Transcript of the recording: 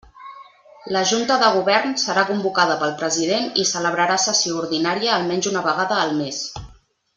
La Junta de Govern serà convocada pel president i celebrarà sessió ordinària almenys una vegada al mes.